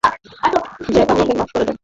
Jack, আমাকে মাফ করে দাও।